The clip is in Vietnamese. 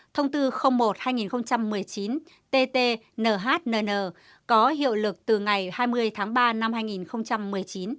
thông tư một hai nghìn một mươi chín tt nhnn có hiệu lực từ ngày hai mươi tháng ba năm hai nghìn một mươi chín